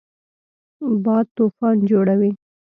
باد طوفان جوړوي